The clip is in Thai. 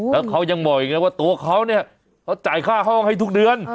แล้วเขายังบอกอีกนะว่าตัวเขาเนี่ยเขาจ่ายค่าห้องให้ทุกเดือน